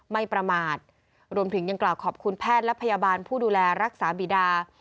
ไม่ประมาทรวมถึงยังกล่าวขอบคุณแพทย์และพยาบาลผู้ดูแลรักษาบีดา